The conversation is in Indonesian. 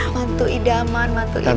mantu idaman mantu ideal